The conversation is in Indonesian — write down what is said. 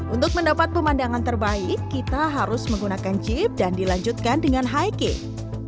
untuk mendapat pemandangan terbaik kita harus menggunakan jeep dan dilanjutkan dengan hiking